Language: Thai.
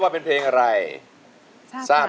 สวัสดีครับ